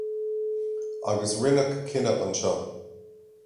Agus rinneadh cinneadh anseo.